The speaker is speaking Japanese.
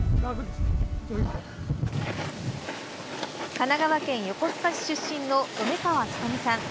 神奈川県横須賀市出身の梅川努さん。